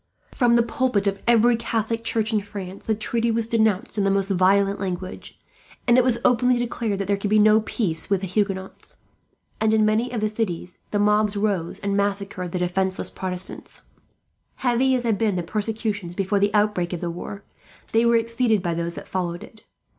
From the pulpit of every Catholic church in France, the treaty was denounced in the most violent language; and it was openly declared that there could be no peace with the Huguenots. These, as they returned home, were murdered in great numbers and, in many of the cities, the mobs rose and massacred the defenceless Protestants. Heavy as had been the persecutions before the outbreak of the war, they were exceeded by those that followed it.